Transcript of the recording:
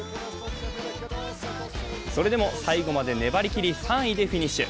それでも最後まで粘りきり、３位でフィニッシュ。